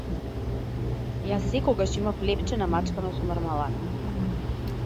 Јас секогаш имав лепче намачкано со мармалад.